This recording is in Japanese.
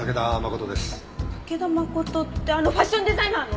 武田誠ってあのファッションデザイナーの！？